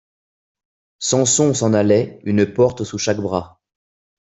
Samson s’en allait, une porte sous chaque bras.